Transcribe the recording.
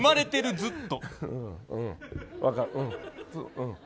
ずっと！